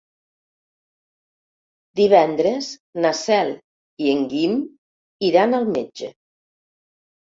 Divendres na Cel i en Guim iran al metge.